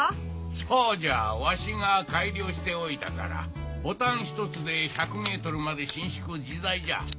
そうじゃわしが改良しておいたからボタン１つで１００ｍまで伸縮自在じゃ。